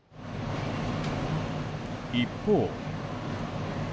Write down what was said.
一方。